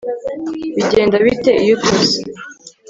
Bigenda bite iyo utose